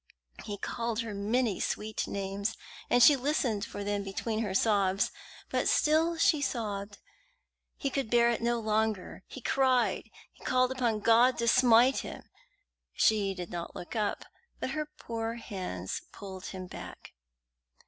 He called her many sweet names, and she listened for them between her sobs; but still she sobbed. He could bear it no longer; he cried, and called upon God to smite him. She did not look up, but her poor hands pulled him back.